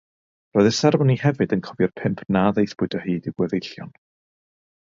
Roedd y seremoni hefyd yn cofio'r pump na ddaethpwyd o hyd i'w gweddillion.